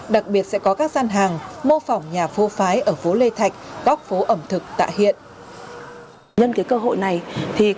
đặc biệt sẽ có các gian hàng mô phỏng nhà phô phái ở phố lê thịnh